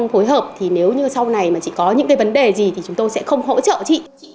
phối hợp thì nếu như sau này mà chị có những cái vấn đề gì thì chúng tôi sẽ không hỗ trợ chị